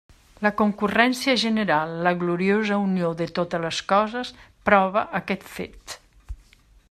La concurrència general, la gloriosa unió de totes les coses prova aquest fet.